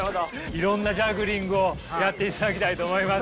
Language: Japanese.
いろんなジャグリングをやっていただきたいと思います。